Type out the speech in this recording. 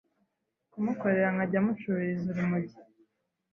kumukorera nkajya mucururiza urumogi